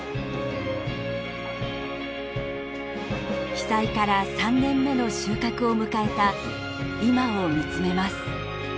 被災から３年目の収穫を迎えた今を見つめます。